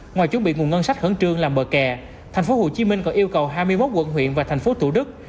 ngoài chuẩn bị nguồn ngân sách khẩn trương làm bờ kè tp hcm còn yêu cầu hai mươi một quận huyện và tp tủ đức